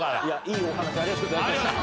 いいお話ありがとうございました。